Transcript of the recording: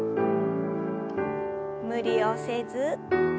無理をせず。